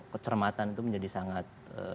kecermatan itu menjadi sangat